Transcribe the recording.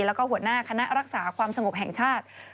แล้วก็หัวหน้าคณะรักษาความสงบแห่งชาติ